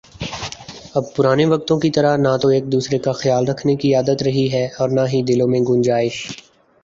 اب پرانے وقتوں کی طرح نہ تو ایک دوسرے کا خیال رکھنے کی عادت رہی ہے اور نہ ہی دلوں میں گنجائش